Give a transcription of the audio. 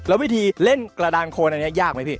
แล้ววิธีเล่นกระดานโคนอันนี้ยากไหมพี่